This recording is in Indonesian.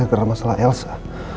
gara gara masalah elsa